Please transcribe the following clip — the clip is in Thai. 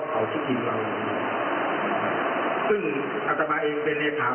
ตอนนี้รู้สึกว่าคุกทิย์ทำงานกับชาติมาตลอด